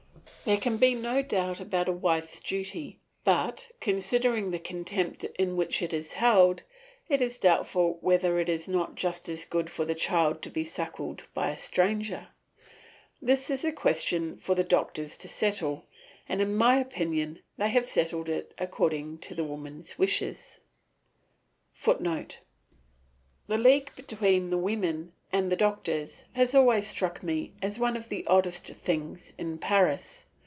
There can be no doubt about a wife's duty, but, considering the contempt in which it is held, it is doubtful whether it is not just as good for the child to be suckled by a stranger. This is a question for the doctors to settle, and in my opinion they have settled it according to the women's wishes, [Footnote: The league between the women and the doctors has always struck me as one of the oddest things in Paris.